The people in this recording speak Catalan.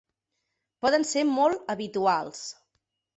Poden ser molt habituals.